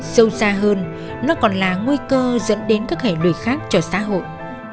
sâu xa hơn nó còn là nguy cơ dẫn đến các hệ lụy khác cho xã hội